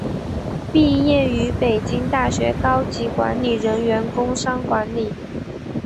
毕业于北京大学高级管理人员工商管理。